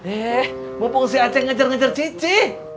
eh maupun si atem ngejar ngejar cici